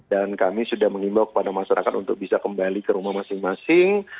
dan kami sudah mengimbau kepada masyarakat untuk bisa kembali ke rumah masing masing